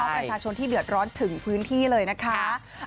ประชาชนที่เดือดร้อนถึงพื้นที่เลยนะคะ